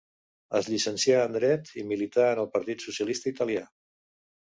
Es llicencià en dret i milità en el Partit Socialista Italià.